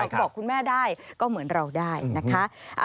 บอกคุณแม่ได้ก็เหมือนเราได้นะคะ